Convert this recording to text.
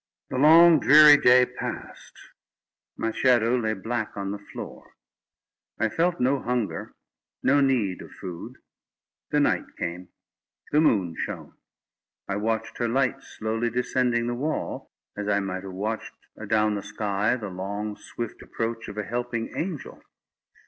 The long dreary day passed. My shadow lay black on the floor. I felt no hunger, no need of food. The night came. The moon shone. I watched her light slowly descending the wall, as I might have watched, adown the sky, the long, swift approach of a helping angel.